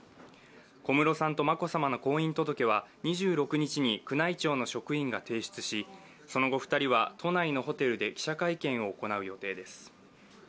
小室さんと眞子さまの婚姻届は２６日に宮内庁の職員が提出し、その後、２人は都内のホテルで記者会見を行う予定です。